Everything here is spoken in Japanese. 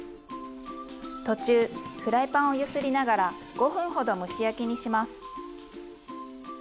途中フライパンを揺すりながら５分ほど蒸し焼きにします。